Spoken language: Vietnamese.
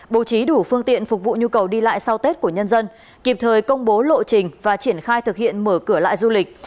bố trí đủ phương tiện phục vụ nhu cầu đi lại sau tết của nhân dân kịp thời công bố lộ trình và triển khai thực hiện mở cửa lại du lịch